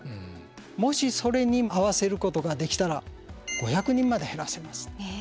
もしそれに合わせることができたら５００人まで減らせます。